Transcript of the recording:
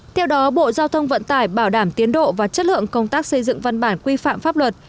theo đó bộ giao thông vận tải bảo đảm tiến độ và chất lượng công tác xây dựng văn bản quy phạm pháp luật